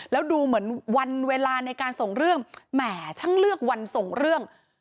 แล้วดูเหมือนวันเวลาในการส่งเรื่องแหมช่างเลือกวันส่งเรื่อง